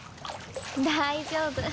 大丈夫。